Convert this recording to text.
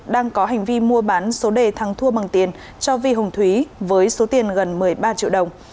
đang có hành vi mua bán số đề thắng thua bằng tiền cho vi hùng thúy với số tiền gần một mươi ba triệu đồng